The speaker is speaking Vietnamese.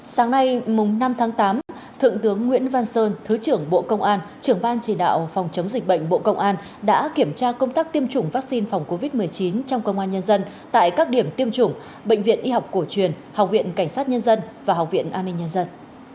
sáng nay năm tháng tám thượng tướng nguyễn văn sơn thứ trưởng bộ công an trưởng ban chỉ đạo phòng chống dịch bệnh bộ công an đã kiểm tra công tác tiêm chủng vaccine phòng covid một mươi chín trong công an nhân dân tại các điểm tiêm chủng bệnh viện y học cổ truyền học viện cảnh sát nhân dân và học viện an ninh nhân dân